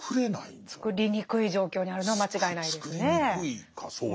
つくりにくい状況にあるのは間違いないですね。